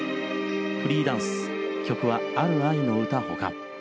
フリーダンス曲は『ある愛の詩』ほか。